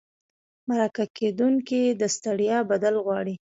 مرکه کېدونکي د ستړیا بدل غواړي.